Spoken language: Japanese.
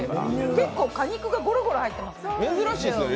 結構果肉がゴロゴロ入ってますよ。